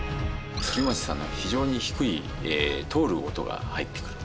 反町さんの非常に低い通る音が入ってくる。